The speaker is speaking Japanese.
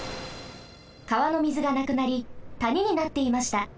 かわのみずがなくなりたにになっていました。